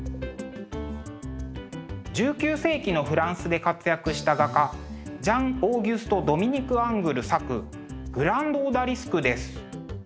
１９世紀のフランスで活躍した画家ジャン＝オーギュスト＝ドミニク・アングル作「グランド・オダリスク」です。